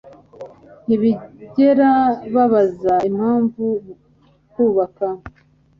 Ntibigera babaza impamvu kubaka